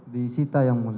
di sita yang mana